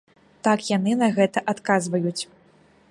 Так яны на гэта адказваюць.